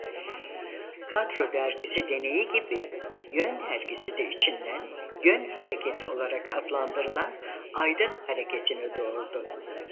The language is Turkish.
Kadro dergisi deneyi gibi Yön dergisi de içinden "Yön Hareketi" olarak adlandırılan aydın hareketini doğurdu.